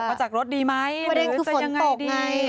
จะออกมาจากรถดีไหมหรือจะยังไงดี